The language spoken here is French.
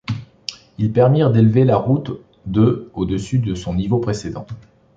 Ils permirent d'élever la route de au-dessus de son niveau précédent.